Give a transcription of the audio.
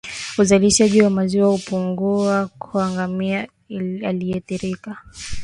Uzalishaji wa maziwa hupungua kwa ngamia aliyeathirika